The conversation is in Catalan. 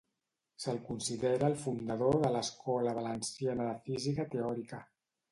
Se'l considera el fundador de l'escola valenciana de Física Teòrica.